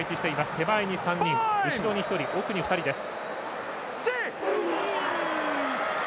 手前に３人、後ろに１人奥に２人です。